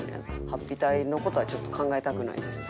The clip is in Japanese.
「ハッピ隊の事はちょっと考えたくないです」